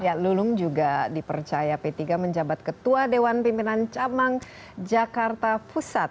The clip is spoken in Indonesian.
ya lulung juga dipercaya p tiga menjabat ketua dewan pimpinan cabang jakarta pusat